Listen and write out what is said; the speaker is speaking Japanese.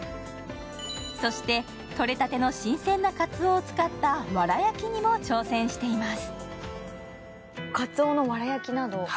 そしてとれたての新鮮なかつおを使ったわら焼きにも挑戦しています。